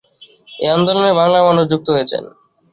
এই আন্দোলনে বাংলার মানুষ যুক্ত হয়েছেন।